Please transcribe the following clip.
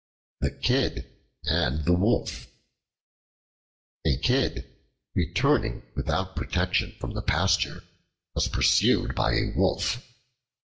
The Kid and the Wolf A KID, returning without protection from the pasture, was pursued by a Wolf.